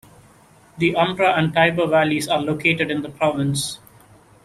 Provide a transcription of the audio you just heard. The Umbra and Tiber Valleys are located in the province.